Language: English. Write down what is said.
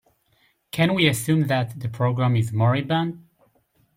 Can we assume that the program is moribund?